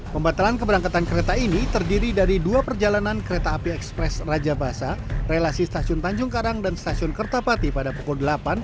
pembatalan keberangkatan kereta ini terdiri dari dua perjalanan kereta api ekspres raja basa relasi stasiun tanjung karang dan stasiun kertapati pada pukul delapan